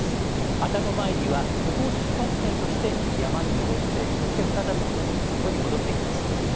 愛宕詣りはここを出発点として山に登ってそして再びここに戻ってきます。